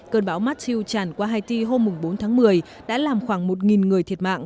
cơn bão matthew tràn qua haiti hôm bốn tháng một mươi đã làm khoảng một người thiệt mạng